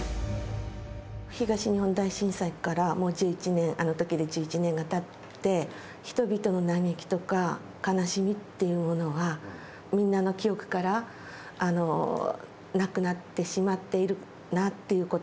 東日本大震災からもう１１年あの時で１１年がたって人々の嘆きとか悲しみっていうものがみんなの記憶からなくなってしまっているなぁっていうこと。